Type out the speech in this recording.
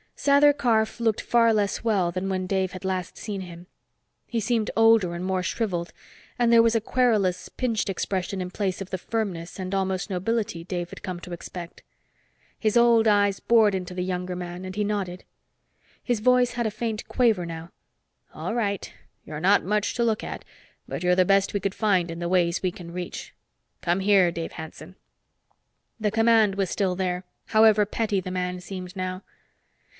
Sather Karf looked far less well than when Dave had last seen him. He seemed older and more shriveled, and there was a querulous, pinched expression in place of the firmness and almost nobility Dave had come to expect. His old eyes bored into the younger man, and he nodded. His voice had a faint quaver now. "All right. You're not much to look at, but you're the best we could find in the Ways we can reach. Come here, Dave Hanson." The command was still there, however petty the man seemed now.